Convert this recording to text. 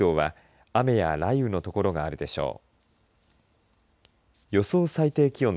北海道は雨や雷雨の所があるでしょう。